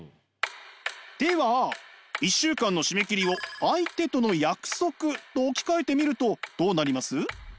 では１週間の締め切りを相手との約束と置き換えてみるとどうなります？